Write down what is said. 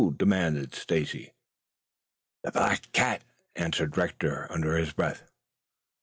demanded Stacy. "The black cat," answered Rector under his breath.